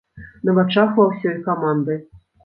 На вачах ва ўсёй каманды.